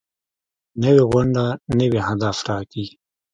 نوې غونډه نوي اهداف ټاکي